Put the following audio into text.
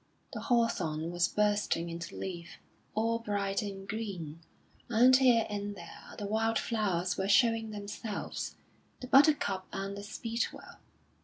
The hawthorn was bursting into leaf, all bright and green, and here and there the wild flowers were showing themselves, the buttercup and the speedwell.